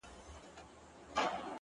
• پر اوږو یې ټکاوه ورته ګویا سو,